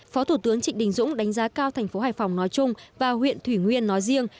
phó thủ tướng trịnh đình dũng đánh giá cao thành phố hải phòng nói chung và huyện thủy nguyên nói riêng